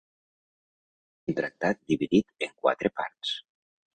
Un tractat dividit en quatre parts.